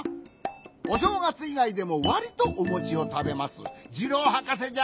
おしょうがついがいでもわりとおもちをたべますジローはかせじゃ。